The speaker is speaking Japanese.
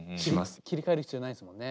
切り替える必要ないですもんね。